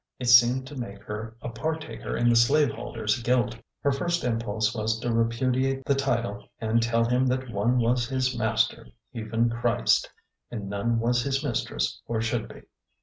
It seemed to make her a partaker in the slaveholder's guilt. Her first impulse was to repudiate the title and tell him that one was his master, even Christ," and none was his mistress or should be.